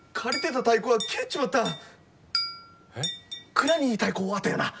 蔵に太鼓あったよな！？